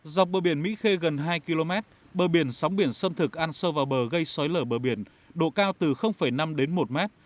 dọc bờ biển mỹ khê gần hai km bờ biển sóng biển xâm thực ăn sâu vào bờ gây xói lở bờ biển độ cao từ năm đến một mét